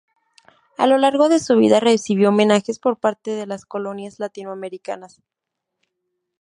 A lo largo de su vida recibió homenajes por parte de las colonias latinoamericanas.